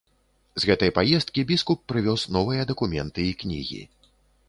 З гэтай паездкі біскуп прывёз новыя дакументы і кнігі.